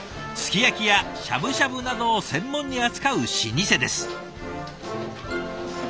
すき焼きやしゃぶしゃぶなどを専門に扱う老舗です。